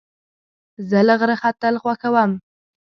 زه له غره ختل خوښوم.